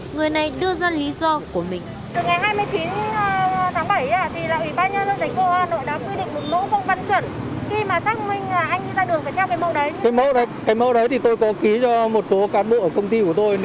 người này đưa ra lý do